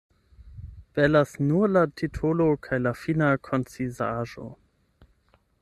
Belas nur la titolo kaj la fina koncizaĵo.